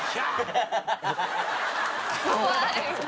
怖い。